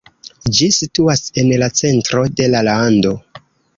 Ĝi situas en la centro de la lando.